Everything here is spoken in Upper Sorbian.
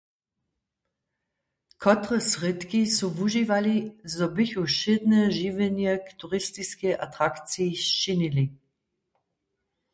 Kotre srědki su wužiwali, zo bychu wšědne žiwjenje k turistiskej atrakciji sčinili?